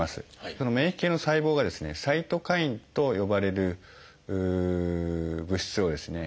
その免疫系の細胞がですね「サイトカイン」と呼ばれる物質をですね